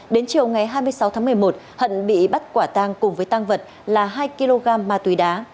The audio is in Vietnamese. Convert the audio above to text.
đến chiều ngày hai mươi sáu tháng một mươi một hận bị bắt quả tang cùng với tăng vật là hai kg ma túy đá